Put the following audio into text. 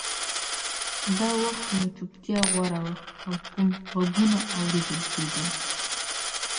دا وخت نو چوپتیا خوره وه او کم غږونه اورېدل کېدل